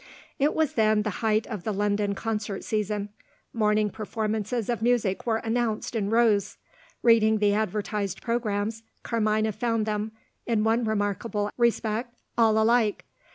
It was then the height of the London concert season. Morning performances of music were announced in rows. Reading the advertised programmes, Carmina found them, in one remarkable respect, all alike.